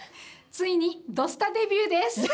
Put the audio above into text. ついに「土スタ」デビューです。